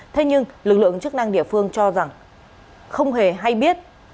thế nhưng lực lượng chức năng địa phương cho rằng không hề hay biết